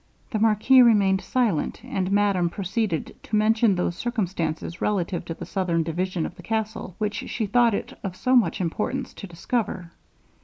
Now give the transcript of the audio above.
The marquis remained silent, and madame proceeded to mention those circumstances relative to the southern division of the castle, which she thought it of so much importance to discover.